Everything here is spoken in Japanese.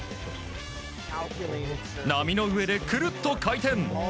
波の上でくるっと回転。